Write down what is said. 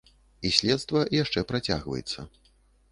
І следства яшчэ працягваецца.